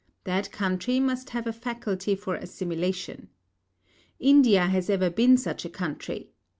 That country must have a faculty for assimilation. India has ever been such a country.